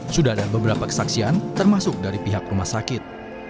sudah ada beberapa kesaksian termasuk dari pihak rumah sakit